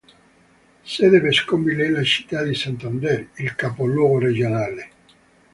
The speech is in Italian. Sede vescovile è la città di Santander, il capoluogo regionale.